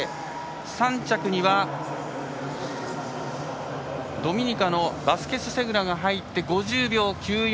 ３着にはドミニカのバスケスセグラが入って５０秒９４。